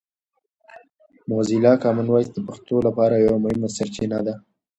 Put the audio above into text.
موزیلا کامن وایس د پښتو لپاره یوه مهمه سرچینه ده.